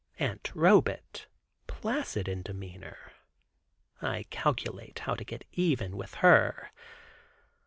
Aunt Robet, placid in demeanor, I calculate how to get even with her.